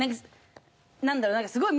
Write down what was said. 何だろう。